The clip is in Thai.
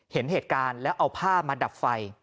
เห็นเหตุการณ์แล้วเอาผ้ามาดับไฟ